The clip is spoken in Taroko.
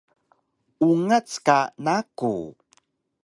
Ungac ka naku